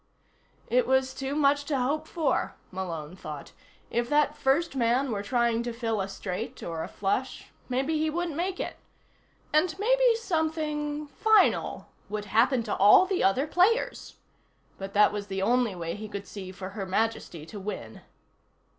It was too much to hope for, Malone thought. If that first man were trying to fill a straight or a flush, maybe he wouldn't make it. And maybe something final would happen to all the other players. But that was the only way he could see for Her Majesty to win.